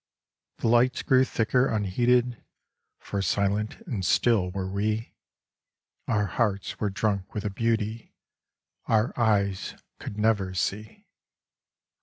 The lights grew thicker unheeded, For silent and still were we ; Our hearts were drunk with a beauty Our eyes could never see.